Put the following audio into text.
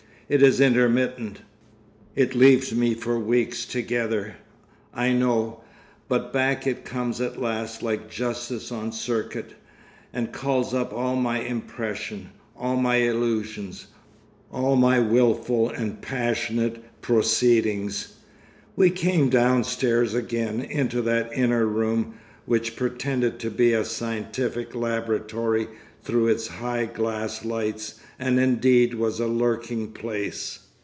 It is intermittent; it leaves me for weeks together, I know, but back it comes at last like justice on circuit, and calls up all my impression, all my illusions, all my willful and passionate proceedings. We came downstairs again into that inner room which pretended to be a scientific laboratory through its high glass lights, and indeed was a lurking place.